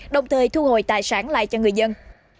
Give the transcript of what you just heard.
đồng thời thu hồi tài sản lại cho người dân